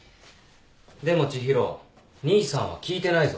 でも知博兄さんは聞いてないぞ。